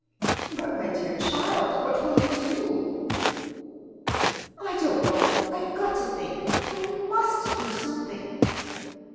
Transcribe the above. "But, my dear child, what will you do?" "I don't know. I've got to think. I must do something!"